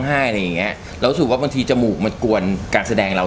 อะไรอย่างเงี้ยเรารู้สึกว่าบางทีจมูกมันกวนการแสดงเรา